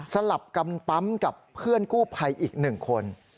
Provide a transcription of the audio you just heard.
สลับกันปั๊มกับเพื่อนกู้ภัยอีก๑คน